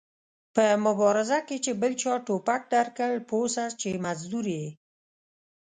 په مبارزه کې چې بل چا ټوپک درکړ پوه سه چې مزدور ېې